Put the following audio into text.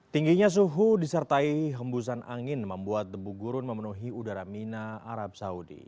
tingginya suhu disertai hembusan angin membuat debu gurun memenuhi udara mina arab saudi